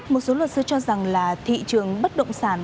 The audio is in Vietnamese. một số luật sư cho rằng là thị trường bất động sản